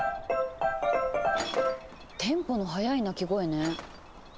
テンポの速い鳴き声ね。